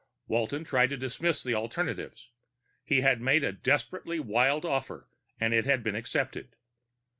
Walton tried to dismiss the alternatives. He had made a desperately wild offer, and it had been accepted.